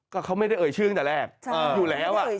ก็เขาไม่ได้เอ่ยชื่นต่อแรกอยู่แล้ว